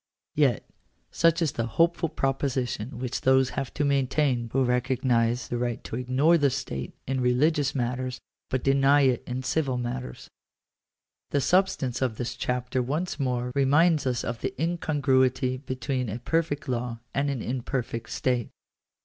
Yet, such is the hopeful proposition which those have to maintain who recog nise the right to ignore the state in religious matters, but deny it in civil matters. § 7. The substance of this chapter once more reminds us of the, incongruity between a perfect law and an imperfect state.